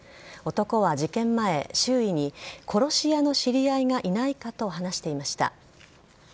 男は事件前、周囲に殺し屋の知り合いがいないかと話していました。